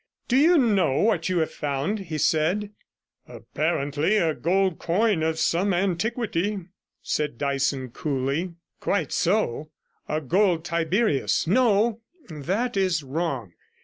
'Do you know what you have found?' he said. 'Apparently a gold coin of some antiquity,' said Dyson coolly. 'Quite so, a gold Tiberius. No, that is wrong.